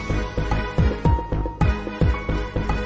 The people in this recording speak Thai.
ว่าจะเกิดปีแห่งราคา